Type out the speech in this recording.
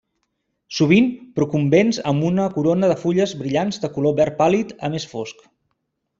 Sovint procumbents amb una corona de fulles brillants de color verd pàl·lid a més fosc.